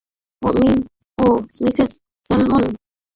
Me ও Mrs Salmon ও অপরাপর বন্ধুদের সঙ্গে সাক্ষাৎ হয়েছে।